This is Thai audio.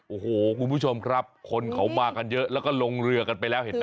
โอ้โหคุณผู้ชมครับคนเขามากันเยอะแล้วก็ลงเรือกันไปแล้วเห็นไหม